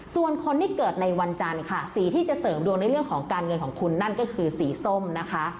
ส่วนคนที่เกิดในวันจันทร์ค่ะสีที่จะเสริมดวงในเรื่องของการเงินของคุณนั่นก็คือสีส้มนะคะ